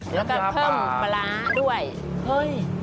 แล้วก็เพิ่มปลาร้าด้วยเฮ้ย